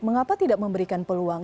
mengapa tidak memberikan peluang